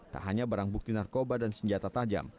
tak hanya barang bukti narkoba dan senjata tajam